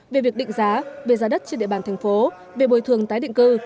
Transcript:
về việc định giá về giá đất trên địa bàn tp về bồi thường tái định cư